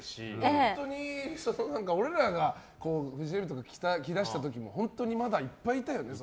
本当に俺らがフジテレビとか来だした時も本当にまだいっぱいいたよね